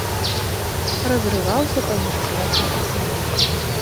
Разрываўся паміж працай і сям'ёй.